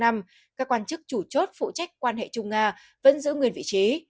các quan chức chủ chốt phụ trách quan hệ trung nga vẫn giữ nguyên vị trí